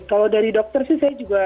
kalau dari dokter sih saya juga tidak tahu